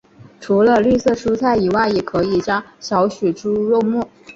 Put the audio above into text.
除了绿色蔬菜以外也可以加少许猪肉末。